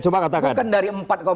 bukan dari empat delapan